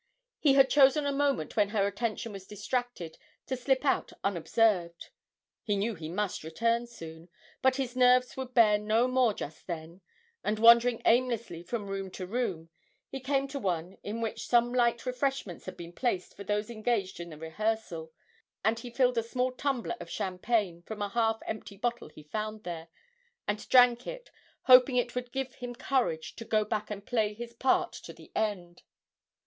He had chosen a moment when her attention was distracted to slip out unobserved. He knew he must return soon, but his nerves would bear no more just then, and, wandering aimlessly from room to room, he came to one in which some light refreshments had been placed for those engaged in the rehearsal, and he filled a small tumbler of champagne from a half empty bottle he found there, and drank it, hoping it would give him courage to go back and play his part to the end.